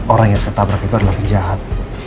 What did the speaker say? orang yang saya tabrak itu adalah penjahat